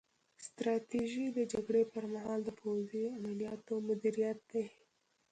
ستراتیژي د جګړې پر مهال د پوځي عملیاتو مدیریت دی